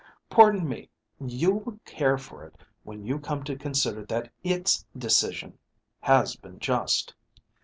"Pardon me. You will care for it when you come to consider that its decision has been just.